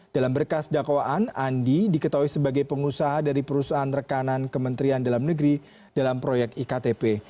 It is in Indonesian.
dalam berkas dakwaan andi diketahui sebagai pengusaha dari perusahaan rekanan kementerian dalam negeri dalam proyek iktp